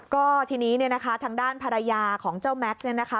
ก็ทีนี้เนี่ยนะคะทางด้านภรรยาของเจ้าแม็กซ์เนี่ยนะคะ